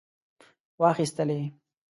واخیستلې.